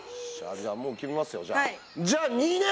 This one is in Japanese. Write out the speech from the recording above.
もう決めますよじゃあ。